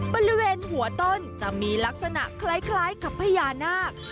บริเวณหัวต้นจะมีลักษณะคล้ายกับพญานาค